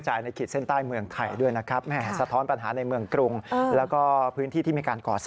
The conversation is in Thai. ใช่ค่ะแต่ว่าเรื่องนี้